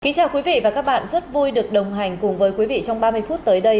kính chào quý vị và các bạn rất vui được đồng hành cùng với quý vị trong ba mươi phút tới đây